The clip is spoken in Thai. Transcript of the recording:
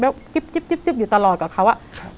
แบบจิ๊บจิ๊บจิ๊บจิ๊บอยู่ตลอดกับเขาอ่ะใช่